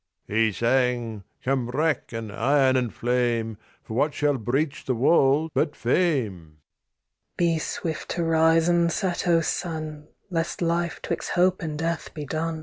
THE RAVEN He sang: Come wrack and iron and flame, For what shall breach the wall but fame? THE KING'S DAUGHTER Be swift to rise and set, O Sun, Lest life 'twixt hope and death be done.